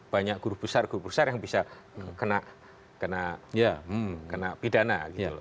banyak guru besar guru besar yang bisa kena pidana